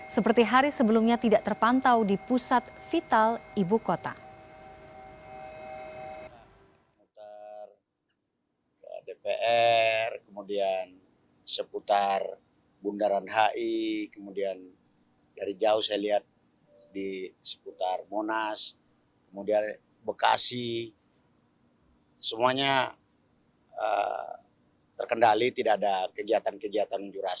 seperti hari sebelumnya tidak terpantau di pusat vital ibu kota